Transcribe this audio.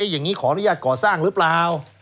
อย่างนี้ขออนุญาตก่อสร้างหรือเปล่า